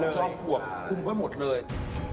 จอมปวบคุมไปหมดเลย